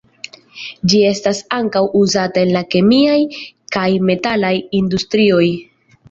Ĝi estas ankaŭ uzata en la kemiaj kaj metalaj industrioj.